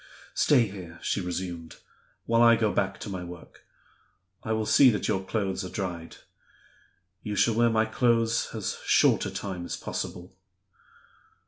"Stay here," she resumed, "while I go back to my work. I will see that your clothes are dried. You shall wear my clothes as short a time as possible."